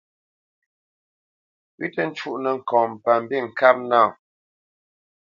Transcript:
Pʉ̌ tǝ́ cúnǝ́ ŋkɔŋ pa mbîŋkâp nâ.